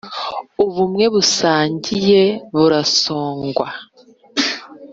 ubumwe dusangiye burasongwa